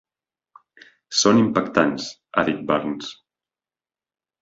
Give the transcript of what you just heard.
Són impactants, ha dit Barnes.